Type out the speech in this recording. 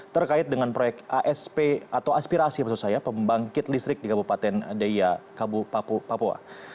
terkait dengan proyek asp atau aspirasi maksud saya pembangkit listrik di kabupaten deya kabu papua